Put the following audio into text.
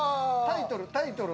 タイトル